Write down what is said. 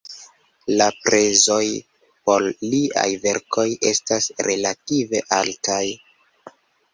La prezoj por liaj verkoj estas relative altaj.